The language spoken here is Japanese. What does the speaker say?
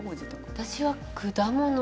私は果物。